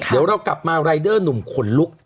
เดี๋ยวเรากลับมารายเดอร์หนุ่มขนลุก